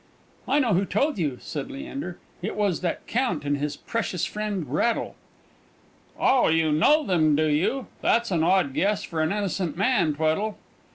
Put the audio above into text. "I know who told you that," said Leander; "it was that Count and his precious friend Braddle!" "Oh, you know them, do you? That's an odd guess for an innocent man, Tweddle!"